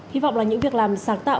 hy vọng là những việc làm sáng tạo